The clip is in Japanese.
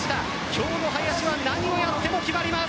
今日の林は何をやっても決まります。